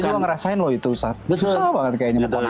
saya juga ngerasain loh itu susah banget kayaknya